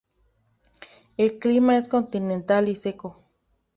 El clima es continental y seco.